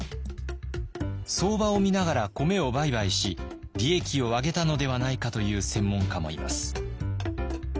相場を見ながら米を売買し利益を上げたのではないかと言う専門家もいます。